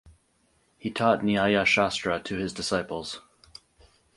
He taught Nyaya Shastra to his disciples.